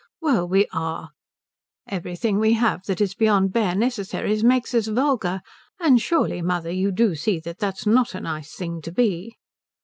"Well, we are. Everything we have that is beyond bare necessaries makes us vulgar. And surely, mother, you do see that that's not a nice thing to be."